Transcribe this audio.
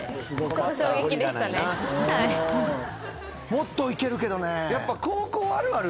もっといけるけどね。